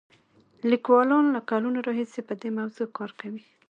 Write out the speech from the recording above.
لیکوالان له کلونو راهیسې په دې موضوع کار کوي.